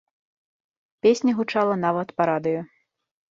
Песня гучала нават па радыё.